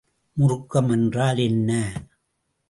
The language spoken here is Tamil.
முறுக்கம் என்றால் என்ன?